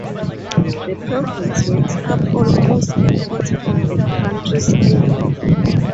The province makes up almost a quarter of the country's area.